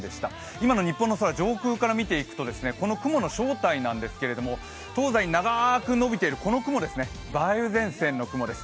今の日本の空、上空から見ていくとこの雲の正体なんですけれども東西に長く延びているこの雲、梅雨前線の雲です